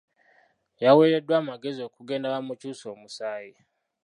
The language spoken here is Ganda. Yaweereddwa amagezi okugenda bamukyuse omusaayi.